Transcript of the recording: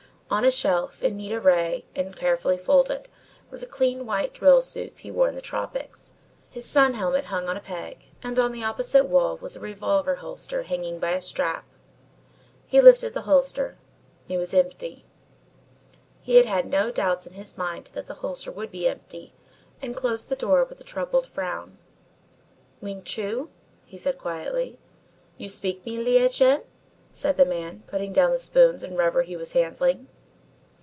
On a shelf in neat array and carefully folded, were the thin white drill suits he wore in the tropics. His sun helmet hung on a peg, and on the opposite wall was a revolver holster hanging by a strap. He lifted the holster. It was empty. He had had no doubts in his mind that the holster would be empty and closed the door with a troubled frown. "Ling Chu," he said quietly. "You speak me, Lieh Jen?" said the man, putting down the spoons and rubber he was handling.